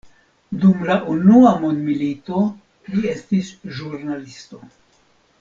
Dum la Unua mondmilito, li estis ĵurnalisto.